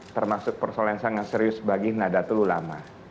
termasuk persoalan yang sangat serius bagi nada tululama